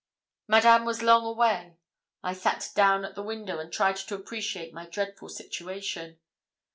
Madame was long away. I sat down at the window, and tried to appreciate my dreadful situation.